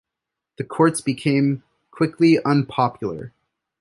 The courts became quickly unpopular.